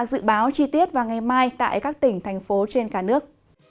dự báo chi tiết vào ngày mai tại các tỉnh thành phố trên cả nước